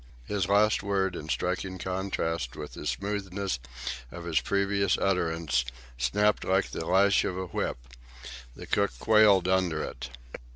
His last word, in striking contrast with the smoothness of his previous utterance, snapped like the lash of a whip. The cook quailed under it.